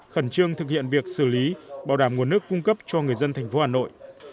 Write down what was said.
khẩn trương thực hiện việc xử lý bảo đảm nguồn nước cung cấp cho người dân thành phố hà nội